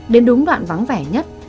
đến đúng đoạn vắng vẻ nhất